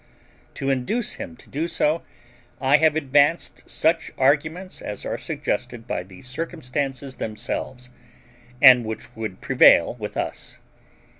To induce him to do so, I have advanced such arguments as are suggested by the circumstances themselves, and which would prevail with us.